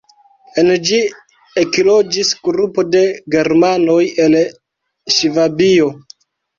En ĝi ekloĝis grupo de germanoj el Ŝvabio.